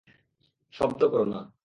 শব্দ করো না।